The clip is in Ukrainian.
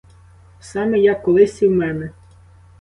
Саме як колись і в мене.